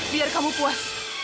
biar kamu puas